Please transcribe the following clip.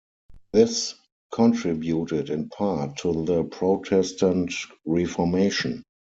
This contributed in part to the Protestant Reformation.